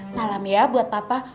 salam ya buat papa